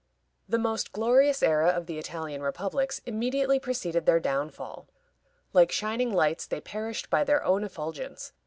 The most glorious era of the Italian republics immediately preceded their downfall. Like shining lights, they perished by their own effulgence.